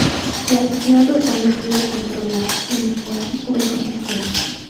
La sociedad urbana quiere controlar y mejorar su ecosistema.